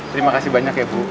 terima kasih banyak ya bu